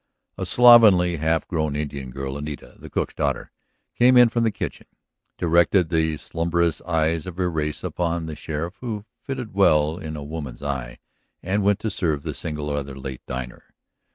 A slovenly, half grown Indian girl, Anita, the cook's daughter, came in from the kitchen, directed the slumbrous eyes of her race upon the sheriff who fitted well in a woman's eye, and went to serve the single other late diner.